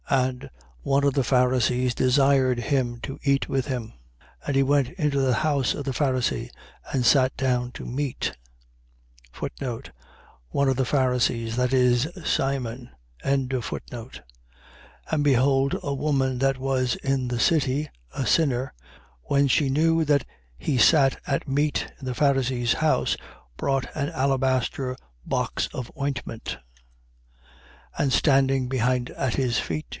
7:36. And one of the Pharisees desired him to eat with him. And he went into the house of the Pharisee and sat down to meat. One of the Pharisees: that is, Simon. 7:37. And behold a woman that was in the city, a sinner, when she knew that he sat at meat in the Pharisee's house, brought an alabaster box of ointment. 7:38. And standing behind at his feet.